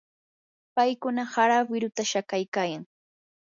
paykuna hara wiruta shakaykaayan.